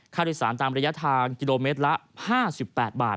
โดยสารตามระยะทางกิโลเมตรละ๕๘บาท